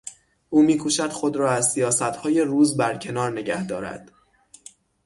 او میکوشد خود را از سیاستهای روز برکنار نگه دارد.